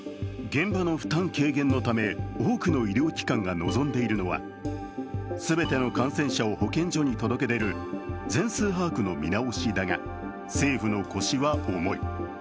現場の負担軽減のため、多くの医療機関が望んでいるのは全ての感染者を保健所に届け出る全数把握の見直しだが、政府の腰は重い。